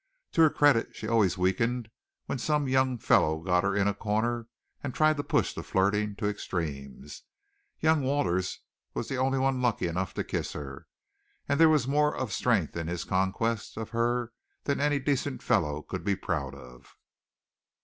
To her credit, she always weakened when some young fellow got her in a corner and tried to push the flirting to extremes. Young Waters was the only one lucky enough to kiss her, and there was more of strength in his conquest of her than any decent fellow could be proud of.